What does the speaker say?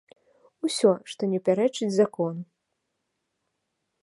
Усё, што не пярэчыць закону.